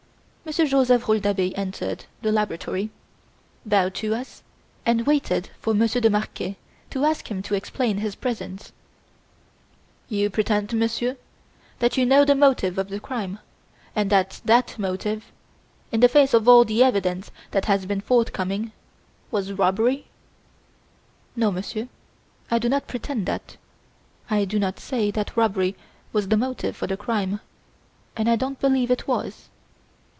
Monsieur Joseph Rouletabille entered the laboratory, bowed to us, and waited for Monsieur de Marquet to ask him to explain his presence. "You pretend, Monsieur, that you know the motive for the crime, and that that motive in the face of all the evidence that has been forthcoming was robbery?" "No, Monsieur, I do not pretend that. I do not say that robbery was the motive for the crime, and I don't believe it was."